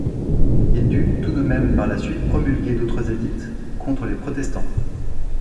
Il dut tout de même par la suite promulguer d'autres édits contre les Protestants.